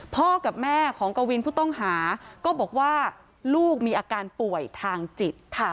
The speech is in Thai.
พ่อกับแม่ของกวินผู้ต้องหาก็บอกว่าลูกมีอาการป่วยทางจิตค่ะ